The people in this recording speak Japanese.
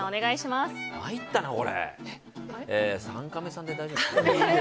まいったな、これ。